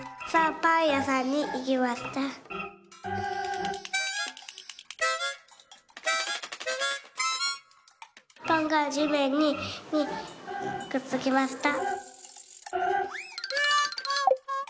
「パンがじめんにくっつきました」。